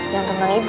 yang tentang ibu